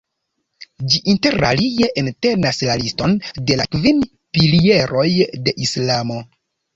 Ĝi interalie entenas la liston de la kvin pilieroj de Islamo.